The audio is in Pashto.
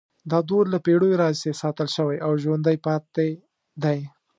دا دود له پیړیو راهیسې ساتل شوی او ژوندی پاتې دی.